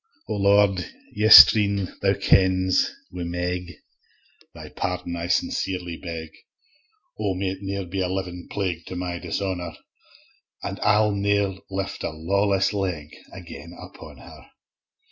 O Lord! yestreen, Thou kens, wi' Meg Thy pardon I sincerely beg, O! may't ne'er be a livin plague To my dishonour, An' I'll ne'er lift a lawless leg Again upon her.